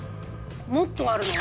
もっとあるの？